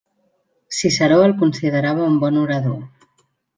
Ciceró el considerava un bon orador.